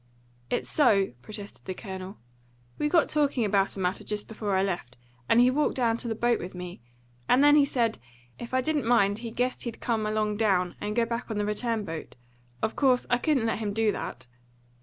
"It's so," protested the Colonel. "We got talking about a matter just before I left, and he walked down to the boat with me; and then he said if I didn't mind he guessed he'd come along down and go back on the return boat. Of course I couldn't let him do that."